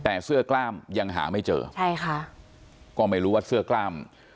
แต่เสื้อกล้ามยังหาไม่เจอใช่ค่ะก็ไม่รู้ว่าเสื้อกล้าม